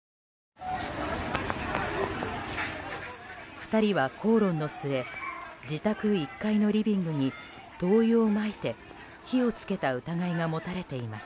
２人は口論の末、自宅１階のリビングに灯油をまいて火をつけた疑いが持たれています。